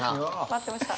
待ってました！